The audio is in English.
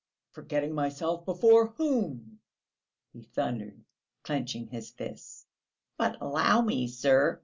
Forgetting myself before whom?" he thundered, clenching his fists. "But allow me, sir...."